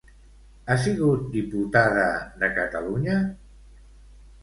Ha sigut diputada de Catalunya?